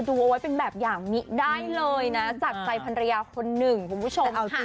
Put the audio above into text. จะดูเอาไว้เป็นแบบอย่างนี้ได้เลยนะจากใจพันราคนนึงคุณผู้ชมค่ะ